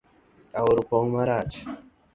Aora opong marach.